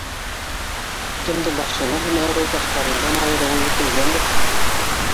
Кемдең башына һине ырыуҙаштарыңдан айырыу уйы килгәндер?